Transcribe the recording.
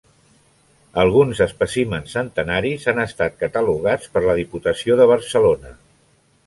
Alguns espècimens centenaris han estat catalogats per la Diputació de Barcelona.